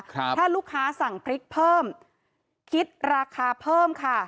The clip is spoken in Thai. ถ้าลูกค้าสั่งพริกเพิ่มคิดราคาเพิ่มค่ะ